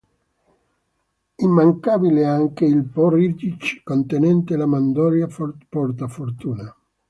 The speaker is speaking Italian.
Immancabile è anche il porridge contenente la mandorla portafortuna.